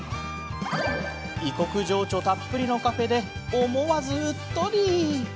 異国情緒たっぷりのカフェで思わずうっとり。